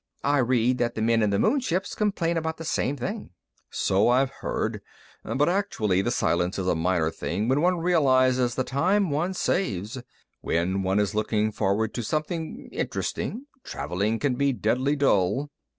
I read that the men in the moon ships complain about the same thing." "So I've heard. But, actually, the silence is a minor thing when one realizes the time one saves. When one is looking forward to something interesting, traveling can be deadly dull."